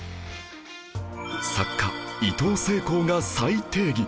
作家いとうせいこうが再定義